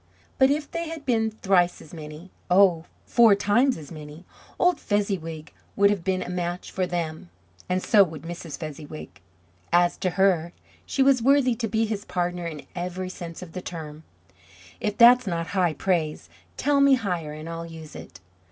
But if they had been thrice as many oh, four times as many old Fezziwig would have been a match for them, and so would Mrs. Fezziwig. As to her, she was worthy to be his partner in every sense of the term. If that's not high praise, tell me higher and I'll use it.